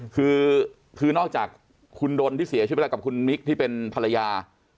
คือคือนอกจากคุณดนที่เสียชีวิตไปแล้วกับคุณมิกที่เป็นภรรยา